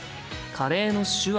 「カレー」の手話